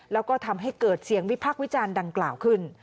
แล้วก็ทำให้เกิดเสียงวิพักษ์วิจารณ์ดังกล่าวขึ้น